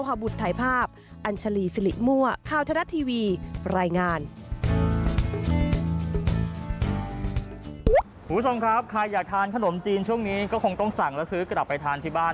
คุณผู้ชมครับใครอยากทานขนมจีนช่วงนี้ก็คงต้องสั่งแล้วซื้อกลับไปทานที่บ้าน